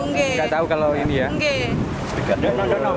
nggak tahu kalau ini ya